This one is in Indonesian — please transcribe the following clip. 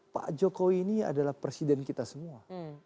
pak jokowi ini adalah presiden kita semua